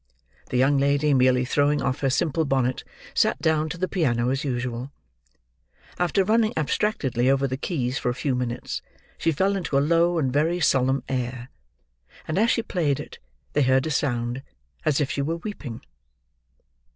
The young lady merely throwing off her simple bonnet, sat down to the piano as usual. After running abstractedly over the keys for a few minutes, she fell into a low and very solemn air; and as she played it, they heard a sound as if she were weeping.